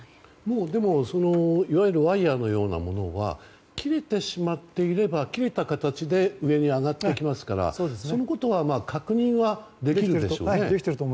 でも、いわゆるワイヤのようなものは切れてしまっていれば切れた形で上に上がってきますからそういうことは確認はできると。